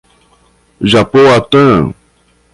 Japoatã